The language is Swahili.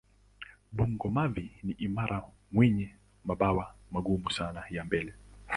Bungo-mavi ni imara wenye mabawa magumu sana ya mbele.